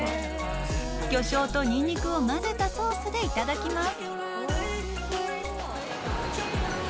魚醤とニンニクを混ぜたソースでいただきます。